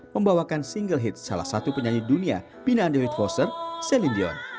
membawakan single hit salah satu penyanyi dunia pinaan david foster celine dion